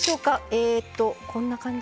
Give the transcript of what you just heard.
えっとこんな感じ？